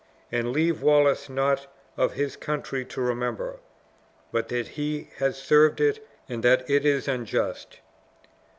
and leave Wallace naught of his country to remember, but that he has served it, and that it is unjust!"